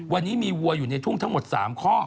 วันนี้มีวัวอยู่ในทุ่งทั้งหมด๓ข้อ